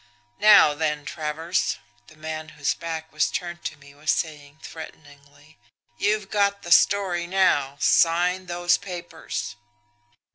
"'Now then, Travers,' the man whose back was turned to me was saying threateningly, 'you've got the story now sign those papers!'